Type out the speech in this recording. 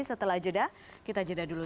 setelah jeda kita jeda dulu